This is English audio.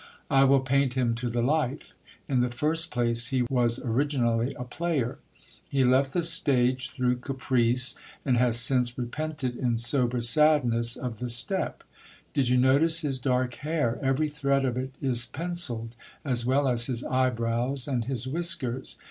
I will paint him to the life In the first place, he was originally a player. He left the stage through caprice ar »d has since repented in sober sadness of the step. Did you notice his dark hair? Every thread of it is pencilled, as well as his eyebrows and his whiskers.